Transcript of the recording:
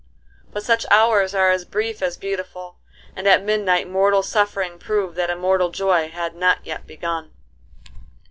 But such hours are as brief as beautiful, and at midnight mortal suffering proved that immortal joy had not yet begun.